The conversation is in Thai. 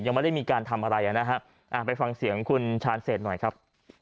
ยังไม่ได้มีการทำอะไรนะฮะไปฟังเสียงคุณชาญเศษหน่อยครับ